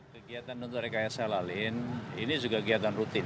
kegiatan untuk rekayasa lalu lintas ini juga kegiatan rutin